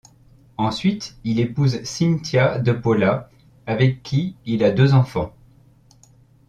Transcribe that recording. Ensuite, il épouse Cynthia De Paula, avec qui il a deux enfants.